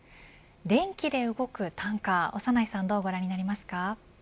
電気で動くタンカー、長内さんはどうご覧になりますか。